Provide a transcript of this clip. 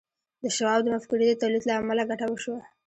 د شواب د مفکورې د تولید له امله ګټه وشوه